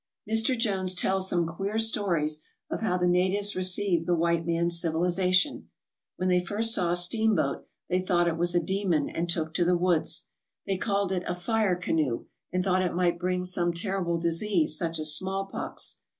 Mr. Jones tells some queer stories of how the natives received the white man's civilization. When they first saw a steamboat they thought it was a demon and took to the woods. They called it a fire canoe and thought it might bring some terrible disease, such as smallpox.